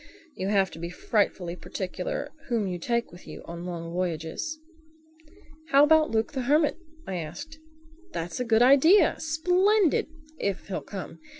You have to be frightfully particular whom you take with you on long voyages." "How about Luke the Hermit?" I asked. "That's a good idea—splendid—if he'll come.